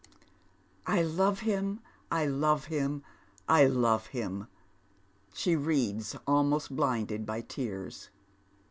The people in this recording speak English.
"I love him, I love him, I love him," she reads, almost blinded by tears.